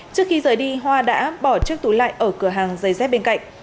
trước khi rời đi hoa đã bỏ chiếc túi lại ở cửa hàng giày dép bên cạnh